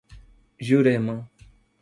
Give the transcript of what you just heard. Jurema